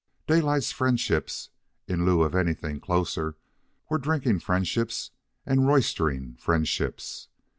Daylight's friendships, in lieu of anything closer, were drinking friendships and roistering friendships.